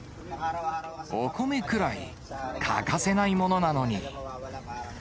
お米くらい欠かせないものなのに。